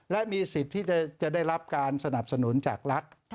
และมีสิทธิ์ที่จะได้รับการสนับสนุนจากรัฐ